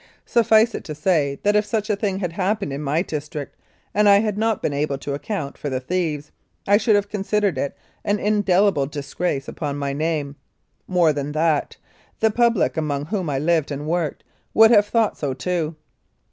Suffice it to say, that if such a thing had happened in my district and I had not been able to account for the thieves, I should have considered it an indelible dis grace upon my name ; more than that, the public among whom I lived and worked would have thought so too.